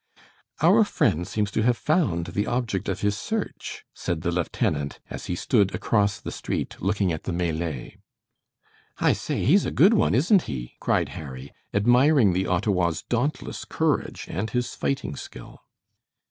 "Our friend seems to have found the object of his search," said the lieutenant, as he stood across the street looking at the melee. "I say, he's a good one, isn't he?" cried Harry, admiring the Ottawa's dauntless courage and his fighting skill.